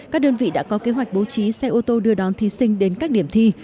các đơn vị đã có kế hoạch bố trí xe ô tô đưa đón thí sinh đến các điểm thi